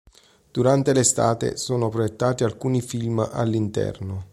Durante l'estate sono proiettati alcuni film all'interno.